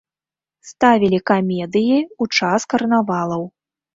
Ставілі камедыі ў час карнавалаў.